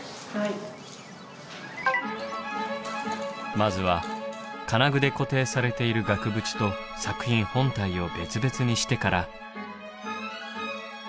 まずは金具で固定されている額縁と作品本体を別々にしてから。